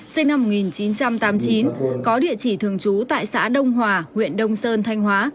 sinh năm một nghìn chín trăm tám mươi chín có địa chỉ thường trú tại xã đông hòa huyện đông sơn thanh hóa